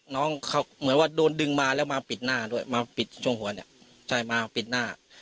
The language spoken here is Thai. น้องเขาเหมือนว่าโดนดึงมาแล้วมาปิดหน้าด้วยมาปิดช่วงหัวเนี่ยใช่มาปิดหน้า